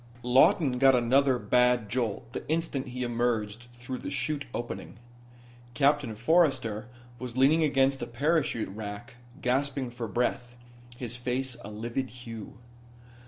Lawton got another bad jolt the instant he emerged through the 'chute opening. Captain Forrester was leaning against a parachute rack gasping for breath, his face a livid hue.